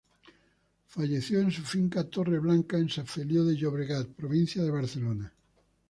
Falleció en su finca Torre Blanca, en San Feliú de Llobregat, provincia de Barcelona.